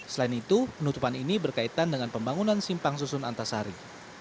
selain itu penutupan ini berkaitan dengan pembangunan simpang susun antasari